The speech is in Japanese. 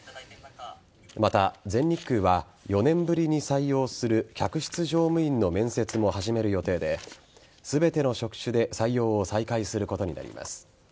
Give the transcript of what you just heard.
また、全日空は４年ぶりに採用する客室乗務員の面接も始める予定で全ての職種で採用を再開することになります。